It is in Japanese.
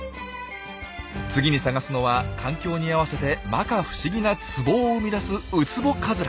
次に探すのは環境に合わせてまか不思議なツボを生み出すウツボカズラ。